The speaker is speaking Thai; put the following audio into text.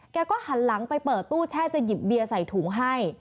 หันหลังไปเปิดตู้แช่จะหยิบเบียร์ใส่ถุงให้